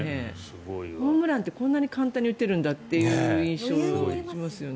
ホームランって簡単に打てるんだという印象を持ちますよね。